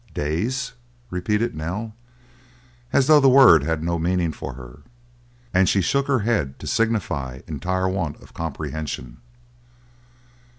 "Days?" repeated Nell, as though the word had no meaning for her, and she shook her head to signify entire want of comprehension.